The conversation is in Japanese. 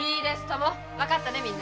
わかったねみんな。